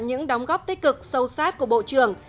những đóng góp tích cực sâu sát của bộ trưởng